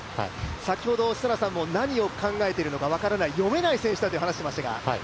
先ほど設楽さんも何を考えてるか分からない読めない選手だと話しましたが。